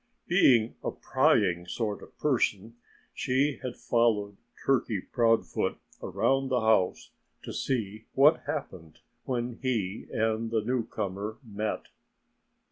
Being a prying sort of person she had followed Turkey Proudfoot around the house to see what happened when he and the newcomer met.